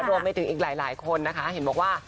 รวมไปถึงอีกหลายคนนะคะเห็นบอกว่า